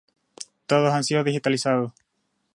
Todos han sido digitalizados.